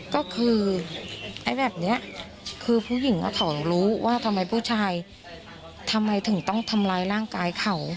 ก็คือไอ้แบบนี้คือผู้หญิงเขารู้ว่าทำไมผู้ชายทำไมถึงต้องทำร้ายร่างกายเขา